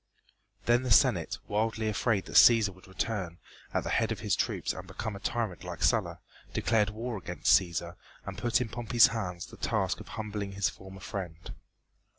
Then the Senate, wildly afraid that Cæsar would return at the head of his troops and become a tyrant like Sulla, declared war against Cæsar and put in Pompey's hands the task of humbling his former friend.